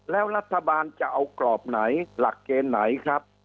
แล้วรัฐบาลจะเอากรอบไหนหลักเกณฑ์ไหนครับ